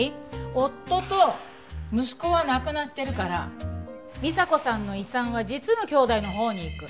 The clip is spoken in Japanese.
夫と息子は亡くなってるから美沙子さんの遺産は実のきょうだいのほうに行く。